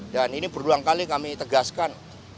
dan ini berulang kali kami tegaskan